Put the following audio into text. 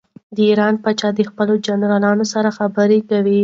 د ایران پاچا د خپلو جنرالانو سره خبرې کوي.